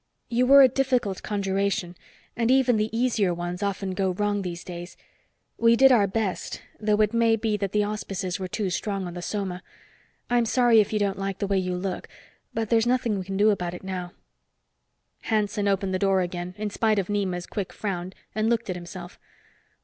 You were a difficult conjuration and even the easier ones often go wrong these days. We did our best, though it may be that the auspices were too strong on the soma. I'm sorry if you don't like the way you look. But there's nothing we can do about it now." Hanson opened the door again, in spite of Nema's quick frown, and looked at himself.